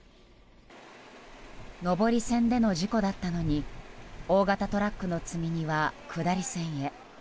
上り線での事故だったのに大型トラックの積み荷は下り線へ。